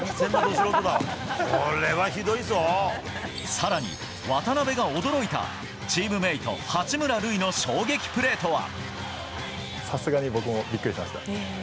更に、渡邊が驚いたチームメート八村塁の衝撃プレーとは。